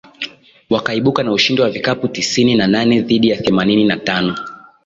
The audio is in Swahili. wakaibuka na ushindi wa vikapu tisini na nane dhidi ya themanini na tano